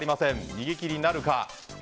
逃げ切りなるか。